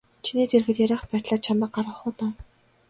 Чиний дэргэд ярих байтлаа намайг гаргах уу даа.